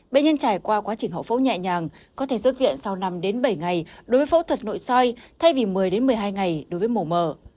bệnh nhân trải qua quá trình hậu phẫu nhẹ nhàng có thể xuất viện sau năm bảy ngày đối với phẫu thuật nội soi thay vì một mươi một mươi hai ngày đối với mổ mở